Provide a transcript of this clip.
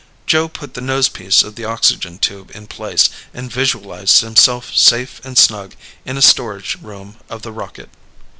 Joe put the nose piece of the oxygen tube into place and visualized himself safe and snug in a storage room of the rocket.